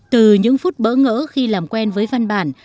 từ những phút bỡ ngỡ khi làm quen với văn bản